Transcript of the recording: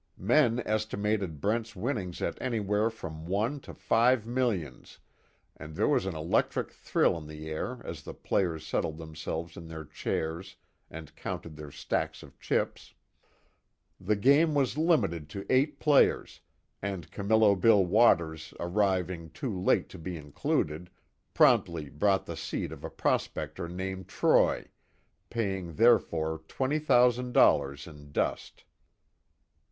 Men estimated Brent's winnings at anywhere from one to five millions and there was an electric thrill in the air as the players settled themselves in their chairs and counted their stacks of chips. The game was limited to eight players, and Camillo Bill Waters arriving too late to be included, promptly bought the seat of a prospector named Troy, paying therefor twenty thousand dollars in dust.